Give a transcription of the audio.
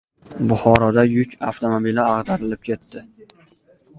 Buxoroda yuk avtomobili ag‘darilib ketdi